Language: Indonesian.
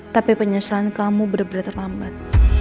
tapi penyesalan kamu bener bener terlambat